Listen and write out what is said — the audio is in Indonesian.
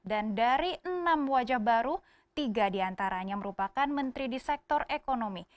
dan dari enam wajah baru tiga diantaranya merupakan menteri di sektor ekonomi